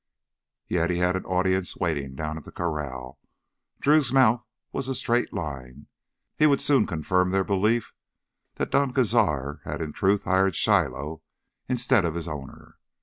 Yet he had an audience waiting down at the corral. Drew's mouth was a straight line. He would soon confirm their belief that Don Cazar had in truth hired Shiloh instead of his owner.